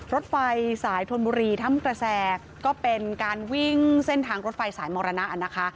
รถไฟสายธนบุรีถ้ำกระแสก็เป็นการวิ่งเส้นทางรถไฟสายมรณะนะคะ